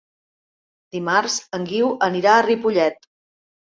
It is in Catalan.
Dimarts en Guiu anirà a Ripollet.